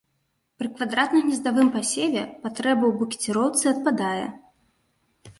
Пры квадратна-гнездавым пасеве патрэба ў букеціроўцы адпадае.